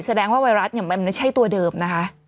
แสดงว่าไวรัสเนี่ยมันไม่ใช่ตัวเดิมนะคะ